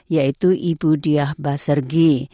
yaitu ibu diah basergi